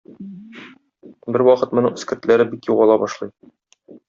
Бервакытны моның эскертләре бик югала башлый.